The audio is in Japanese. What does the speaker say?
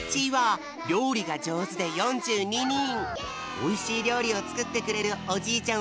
おいしいりょうりをつくってくれるおじいちゃん